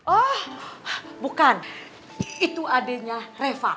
oh bukan itu adeknya reva